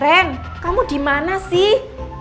randy kamu dimana sih